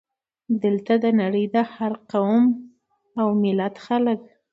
دلته د نړۍ د هر قوم او ملت خلک.